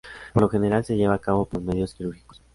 Por lo general se lleva a cabo por medios quirúrgicos.